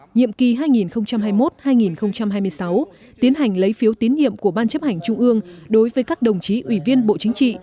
nhiệm kỳ hai nghìn hai mươi một hai nghìn hai mươi sáu tiến hành lấy phiếu tín nhiệm của ban chấp hành trung ương đối với các đồng chí ủy viên bộ chính trị